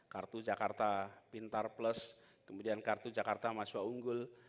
kartu jakarta pintar plus kemudian kartu jakarta mahasiswa unggul